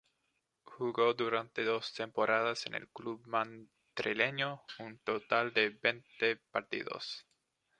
Jugó durante dos temporadas en el club madrileño un total de veinte partidos.